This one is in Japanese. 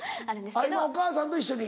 今お母さんと一緒に。